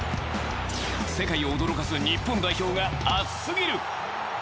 世界を驚かす日本代表が熱すぎる！